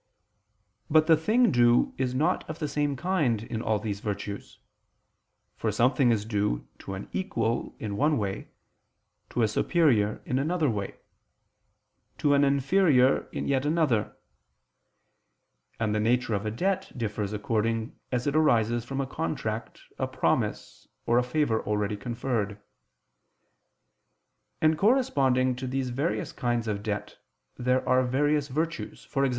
But the thing due is not of the same kind in all these virtues: for something is due to an equal in one way, to a superior, in another way, to an inferior, in yet another; and the nature of a debt differs according as it arises from a contract, a promise, or a favor already conferred. And corresponding to these various kinds of debt there are various virtues: e.g.